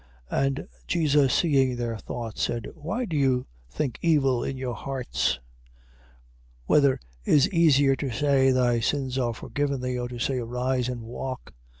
9:4. And Jesus seeing their thoughts, said: Why do you think evil in your hearts? 9:5. Whether is easier, to say, Thy sins are forgiven thee: or to say, Arise, and walk?